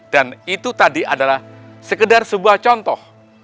dan itu tadi adalah sekedar sebuah contoh